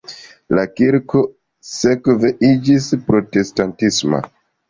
La kirko sekve iĝis protestantisma.